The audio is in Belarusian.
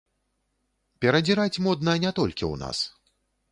Перадзіраць модна не толькі ў нас.